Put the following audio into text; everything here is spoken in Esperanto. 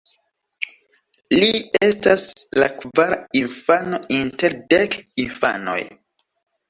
Li estas la kvara infano inter dek infanoj.